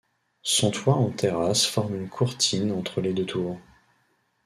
Son toit en terrasse forme une courtine entre les deux tours.